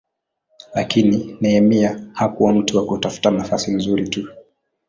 Lakini Nehemia hakuwa mtu wa kutafuta nafasi nzuri tu.